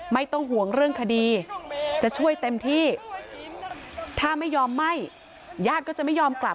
ไม่ต้องห่วงเรื่องคดีจะช่วยเต็มที่ถ้าไม่ยอมไหม้ญาติก็จะไม่ยอมกลับ